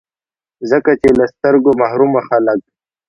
ځکه چي له سترګو محرومه خلګ